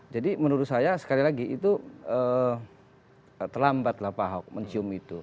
jadi menurut saya sekali lagi itu terlambat lah pak ahok mencium itu